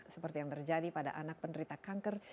seperti yang terjadi pada anak penderita kanker